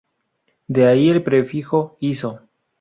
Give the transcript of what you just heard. De ahí el prefijo "iso".